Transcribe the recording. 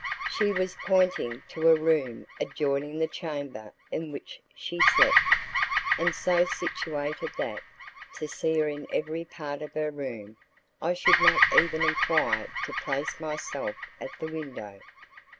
She was pointing to a room adjoining the chamber in which she slept, and so situated that, to see her in every part of her room, I should not even require to place myself at the window.